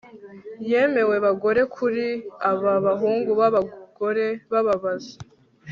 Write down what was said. Yemwe bagore kuri aba bahungu babagore bababaza